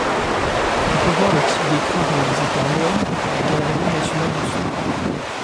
On peut voir le type d’écrin réalisé par Moene à la galerie nationale d’Oslo.